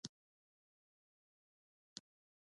ایا زه اکسرې کولی شم؟